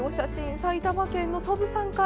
埼玉県の蘓武さんから。